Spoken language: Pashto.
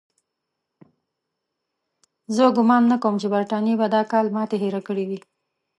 زه ګومان نه کوم چې برټانیې به د کال ماتې هېره کړې وي.